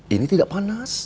ini tidak panas